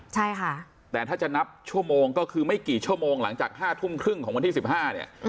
ใช่ค่ะแต่ถ้าจะนับชั่วโมงก็คือไม่กี่ชั่วโมงหลังจาก๕ทุ่มครึ่งของวันที่๑๕เนี่ย